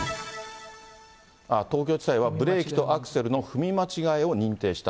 東京地裁はブレーキとアクセルの踏み間違いを認定した。